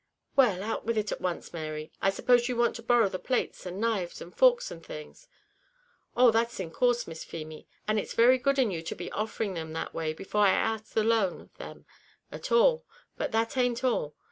"Well, out with it at once, Mary; I suppose you want to borrow the plates, and knives, and forks, and things?" "Oh, that's in course, Miss Feemy; and it's very good in you to be offering them that way before I axed the loan of them at all; but that ain't all.